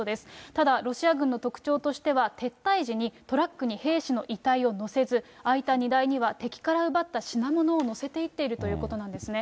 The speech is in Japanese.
ただロシア軍の特徴としては、撤退時にトラックに兵士の遺体を乗せず、空いた荷台には敵から奪った品物を乗せていっているということなんですね。